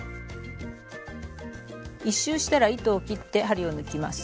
１周したら糸を切って針を抜きます。